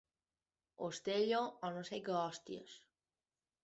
Ostello o no sé què hòsties.